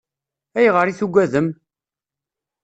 Ayɣer i tugadem?